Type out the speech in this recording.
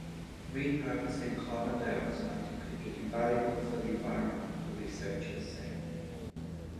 Repurposing carbon dioxide could be invaluable for the environment, the researchers say.